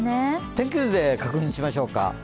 天気図で確認しましょうか。